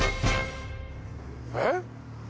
えっ？